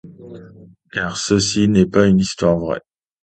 Car ceci n'est pas une histoire vraie.